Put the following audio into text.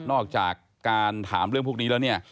นอกจากการถามเรื่องพวกนี้แล้วเนี่ย